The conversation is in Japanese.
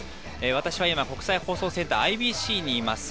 私は今、国際放送センター、ＩＢＣにいます。